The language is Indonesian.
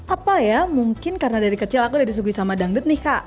apa ya mungkin karena dari kecil aku dari suguh sama dangdut nih kak